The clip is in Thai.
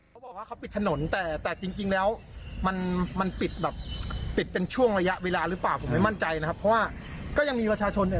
หากเพิ่งเขาปิดถนนแต่แต่จริงแล้วมันมันปิดหรือเป็นช่วงระยะเวลาหรือเปล่าเปล่าในมั่งใจนะครับก็ก็ยังมีวัชชนเนี่ย